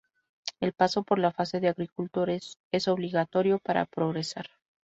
El paso por la fase de agricultores es obligatorio para progresar.